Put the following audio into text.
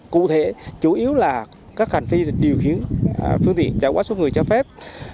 cụ thể chủ yếu là các hành vi điều khiển phương tiện trả quá số người cho phép